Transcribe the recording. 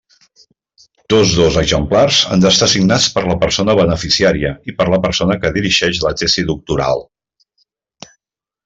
Tots dos exemplars han d'estar signats per la persona beneficiària i per la persona que dirigeix la tesi doctoral.